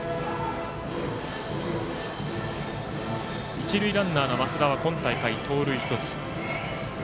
一塁ランナーの増田は今大会盗塁１つ。